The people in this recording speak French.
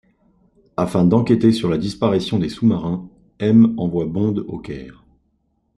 Afin d'enquêter sur la disparition des sous-marins, M envoie Bond au Caire.